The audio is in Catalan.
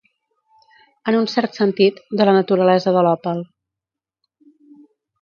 En un cert sentit, de la naturalesa de l'òpal.